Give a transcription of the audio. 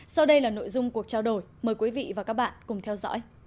sau đây là nội dung cuộc trao đổi mời quý vị và các bạn cùng theo dõi